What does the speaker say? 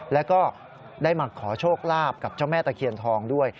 แล้วก็ได้มาขอโชคลาภกับเจ้าแม่ตะเคียนทองด้วย